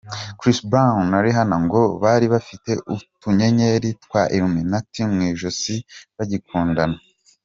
Chris Brown na Rihanna ngo bari bafite utunyenyeri twa Illuminati mu ijosi bagikundana.